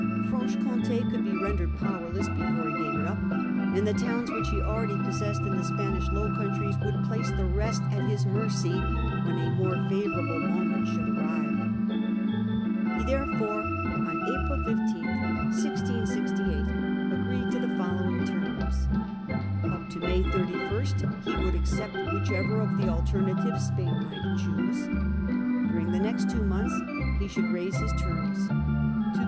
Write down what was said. Franche Comtd could be rendered powerless before he gave it up ; and the towns which he already possessed in the Spanish Low Countries would place the rest at his mercy when a more favourable moment should arrive. He therefore, on April 15, 1668, agreed to the follow ing terms. Up to May 31 he would accept whichever of the * alternatives 9 Spain might choose. During AixS Cha the next two months he should raise his terms, pdie.